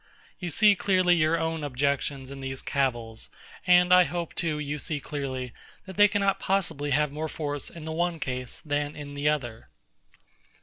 You see clearly your own objections in these cavils, and I hope too you see clearly, that they cannot possibly have more force in the one case than in the other.